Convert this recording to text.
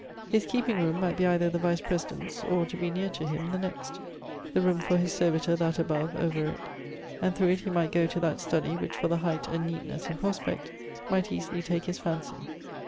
His keeping roome might be either the Vice President's, or, to be neer to him, the next; the room for his servitor that above, over it, and through it he might goe to that studie, which for the height, and neatnesse, and prospect, might easily take his phancy.'